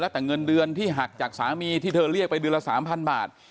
แต่เงินเดือนที่หักจากสามีที่เธอเรียกไปเดือนละ๓๐๐บาท